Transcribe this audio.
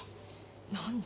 何で？